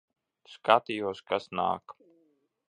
Skatījos, kas nāk.